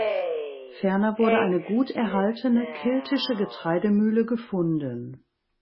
Ferner wurde eine gut erhaltene keltische Getreidemühle gefunden.